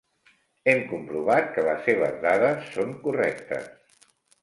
Hem comprovat que les seves dades són correctes.